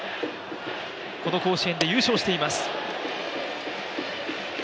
この甲子園で優勝しています。